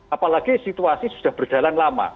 apalagi situasi sudah berjalan lama